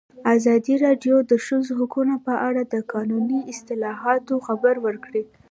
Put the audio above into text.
ازادي راډیو د د ښځو حقونه په اړه د قانوني اصلاحاتو خبر ورکړی.